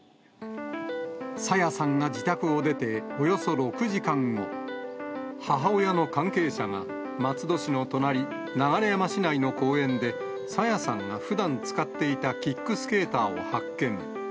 朝芽さんが自宅を出ておよそ６時間後、母親の関係者が松戸市の隣、流山市内の公園で、朝芽さんがふだん使っていたキックスケーターを発見。